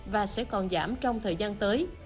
và sẽ còn giảm trong thời gian tới